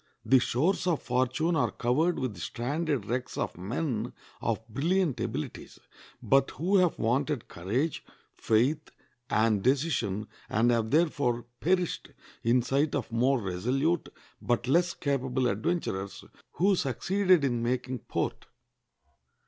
The shores of fortune are covered with the stranded wrecks of men of brilliant abilities, but who have wanted courage, faith, and decision, and have therefore perished in sight of more resolute, but less capable adventurers, who succeeded in making port.